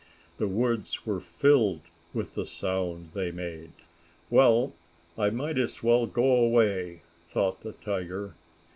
The woods were filled with the sound they made. "Well, I might as well go away," thought the tiger.